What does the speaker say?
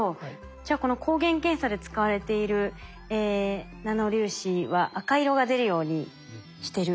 じゃあこの抗原検査で使われているナノ粒子は赤色が出るようにしてるっていうサイズのもの。